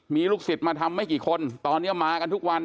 มีลูกศิษย์มาทำไม่กี่คนตอนนี้มากันทุกวัน